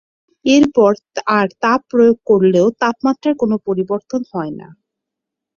এর পর আর তাপ প্রয়োগ করলেও তাপমাত্রার কোন পরিবর্তন হয়না।